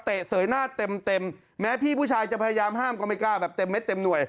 เสยหน้าเต็มเต็มแม้พี่ผู้ชายจะพยายามห้ามก็ไม่กล้าแบบเต็มเม็ดเต็มหน่วย